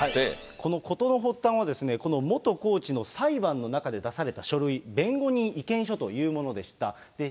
この事の発端は、この元コーチの裁判の中で出された書類、弁護人意見書というものでした。